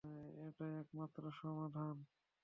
এটাই একমাত্র সমাধান।